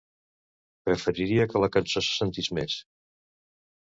Preferiria que la cançó se sentís més.